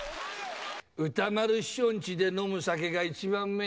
歌丸師匠んちで飲む酒が一番